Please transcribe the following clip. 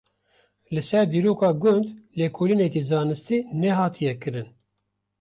Li ser dîroka gund lêkolîneke zanistî nehatiye kirin.